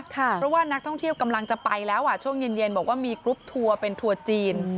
เพราะว่านักท่องเที่ยวกำลังจะไปแล้วช่วงเย็นบอกว่ามีกรุ๊ปทัวร์เป็นทัวร์จีน